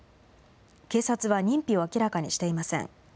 警察は認否を明らかにしていません。